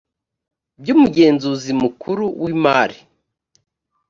by umugenzuzi mukuru w imari